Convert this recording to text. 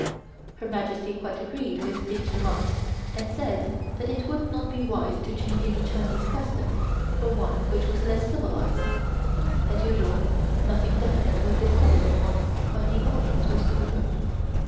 Her Majesty quite agreed with these remarks and said that it would not be wise to change any Chinese custom for one which was less civilized. As usual, nothing definite was decided upon when the audience was over.